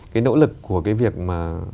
cái nỗ lực của cái việc mà